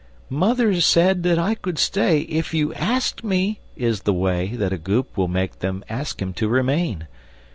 "Mother said that I could stay If you asked me!" is the way That a Goop will make them ask him to remain.